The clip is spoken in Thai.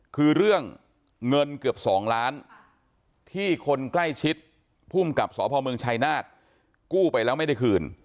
คือเรื่องเงินเกือบ๒ล้านที่คนใกล้ชิดภูมิกับสพเมืองชายนาฏกู้ไปแล้วไม่ได้คืน